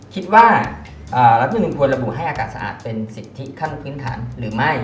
คิดว่ารัฐมนุนควรระบุให้อากาศสะอาดเป็นสิทธิขั้นพื้นฐานหรือไม่